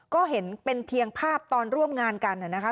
ก็เห็นเป็นเพียงภาพตอนร่วมงานกันนะคะ